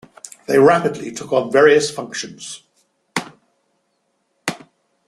They rapidly took on various functions.